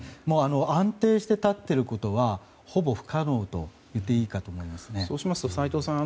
安定して立っていることはほぼ不可能といっていいと斎藤さん